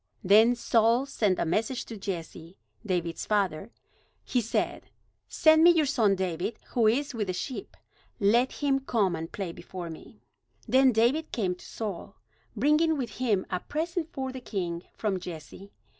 Then Saul sent a message to Jesse, David's father. He said: "Send me your son David, who is with the sheep. Let him come and play before me." Then David came to Saul, bringing with him a present for the king from Jesse.